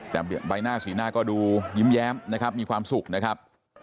แต่ใบหน้าสีหน้าก็ดูยิ้มแย้มนะครับมีความสุขนะครับ